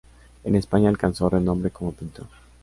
En España alcanzó renombre como pintor.